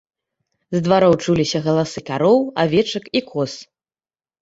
З двароў чуліся галасы кароў, авечак і коз.